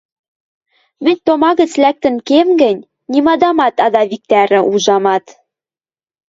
Мӹнь тома гӹц лӓктӹн кем гӹнь, нимамат ада виктӓрӹ, ужамат!